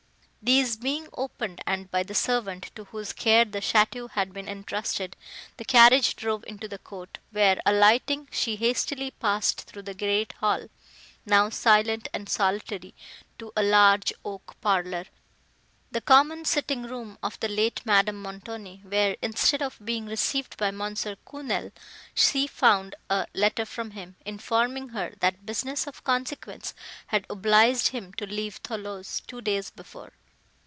These being opened, and by the servant, to whose care the château had been entrusted, the carriage drove into the court, where, alighting, she hastily passed through the great hall, now silent and solitary, to a large oak parlour, the common sitting room of the late Madame Montoni, where, instead of being received by M. Quesnel, she found a letter from him, informing her that business of consequence had obliged him to leave Thoulouse two days before.